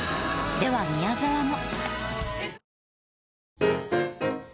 では宮沢も。